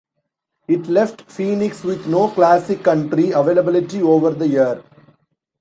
It left Phoenix with no classic country availability over the air.